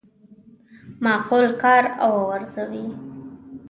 معقول کار او آرزو وي.